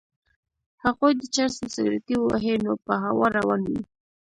هغوی د چرسو سګرټی ووهي نو په هوا روان وي.